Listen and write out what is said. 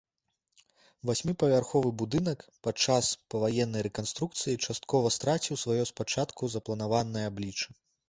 Васьміпавярховы будынак падчас паваеннай рэканструкцыі часткова страціў сваё спачатку запланаванае аблічча.